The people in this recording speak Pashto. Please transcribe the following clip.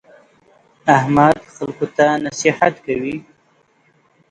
احمد خلکو ته نصیحت کوي.